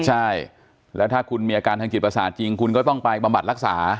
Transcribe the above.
ใช่แล้วถ้าคุณมีอาการทางจิตประสาทจริงคุณก็ต้องไปบำบัดรักษา